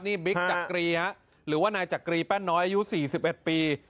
นี่บิ๊กจักรีฮะหรือว่านายจักรีแป้นน้อยอายุ๔๑ปี